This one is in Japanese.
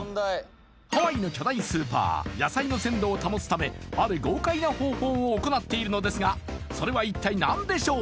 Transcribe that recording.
ハワイの巨大スーパー野菜の鮮度を保つためある豪快な方法を行っているのですがそれは一体何でしょう